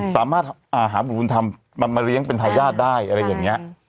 สามารถหาบุตรบุญธรรมมันมาเลี้ยงเป็นทายาทได้อะไรอย่างนี้